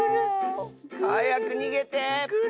はやくにげて。